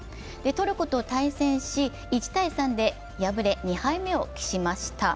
トルコと対戦し、１−３で敗れ、２敗目を喫しました。